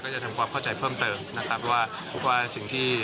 ก็อย่างที่บอกว่าเราสัญญากับประชาชนไว้อย่างไร